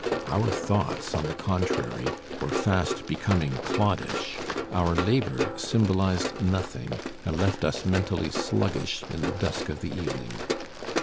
Our thoughts, on the contrary, were fast becoming cloddish. Our labour symbolized nothing, and left us mentally sluggish in the dusk of the evening.